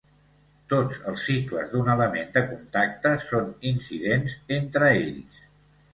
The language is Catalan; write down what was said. Tots els cicles d'un element de contacte són incidents entre ells.